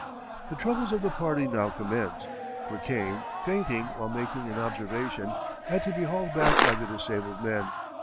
The troubles of the party now commenced, for Kane, fainting while making an observation, had to be hauled back by the disabled men.